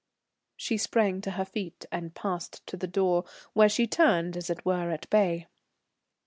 She sprang to her feet and passed to the door, where she turned, as it were, at bay.